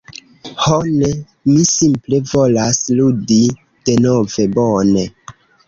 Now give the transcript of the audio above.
Ho ne, mi simple volas ludi denove. Bone.